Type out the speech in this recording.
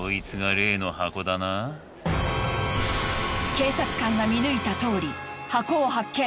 警察官が見抜いたとおり箱を発見。